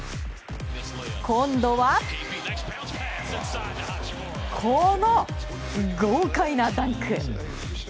今度は、この豪快なダンク！